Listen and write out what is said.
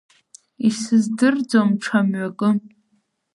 Исыздырӡом ҽа мҩакы.